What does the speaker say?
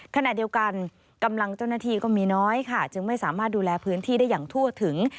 ขณะเดียวกันกำลังเจ้าหน้าที่ก็มีน้อยค่ะจึงไม่สามารถดูแลพื้นที่ได้อย่างทั่วถึง